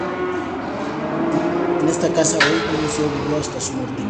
En esta casa, hoy un museo, vivió hasta su muerte.